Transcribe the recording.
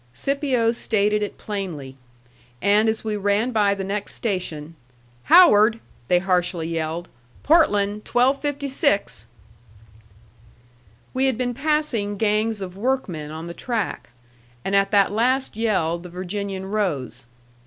Scipio stated it plainly. And as we ran by the next station, "Howard!" they harshly yelled. "Portland 1256!" We had been passing gangs of workmen on the track. And at that last yell the Virginian rose.